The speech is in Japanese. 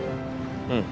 うん。